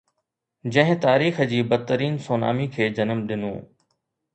جنهن تاريخ جي بدترين سونامي کي جنم ڏنو.